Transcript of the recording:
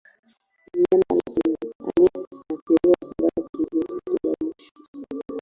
Mnyama aliyeathiriwa husambaza kiini kinachousababisha